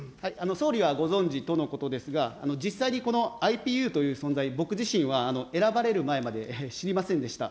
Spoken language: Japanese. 総理はご存じとのことですが、実際にこのＩＰＵという存在、僕自身は選ばれる前まで知りませんでした。